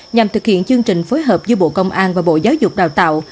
nhằm thực hiện chương trình phối hợp giữa bộ công an và bộ giáo dục đào tạo